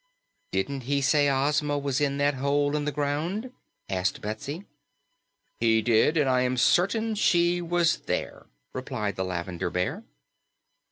"Didn't he say Ozma was in that hole in the ground?" asked Betsy. "He did, and I am certain she was there," replied the Lavender Bear.